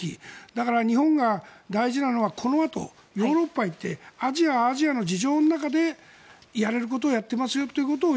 なので、日本が大事なのはこのあと、ヨーロッパに行ってアジアはアジアの事情の中でやれることをやっていますよというのを